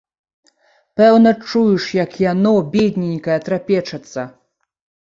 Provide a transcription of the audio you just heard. Пэўна чуеш, як яно, бедненькае, трапечацца.